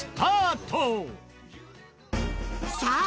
さあ